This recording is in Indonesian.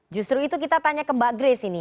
justru itu kita tanya ke mbak grace ini